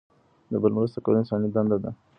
د بل مرسته کول انساني دنده ده.